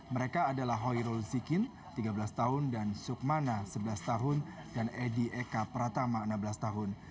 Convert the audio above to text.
mereka adalah hoyrul zikin tiga belas tahun dan sukmana sebelas tahun dan edi eka pratama enam belas tahun